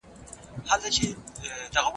تا چي ول ميوه به په ونه کي وي باره په ټوکرۍ کي وه